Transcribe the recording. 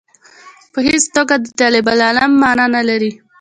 په هېڅ توګه د طالب العلم معنا نه لري.